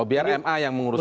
biar ma yang mengurus